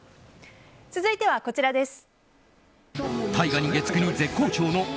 続いてはこちらです。